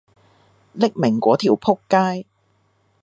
匿名嗰條僕街